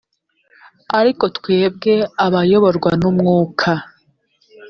ariko twebwe abayoborwa n umwuka